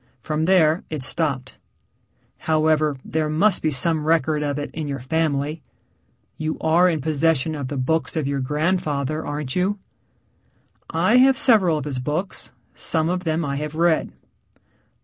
From there it stopped. However, there must be some record of it in your family. You are in possession of the books of your grandfather, aren't you?" "I have several of his books. Some of them I have read."